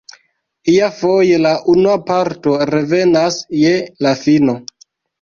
Iafoje la unua parto revenas je la fino.